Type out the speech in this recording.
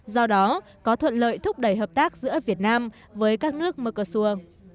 do đó có thuận lợi thúc đẩy hợp tác giữa việt nam với các nước mercalsur